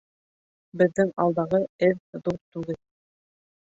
Беҙҙең алдағы эҙ ҙур түгел.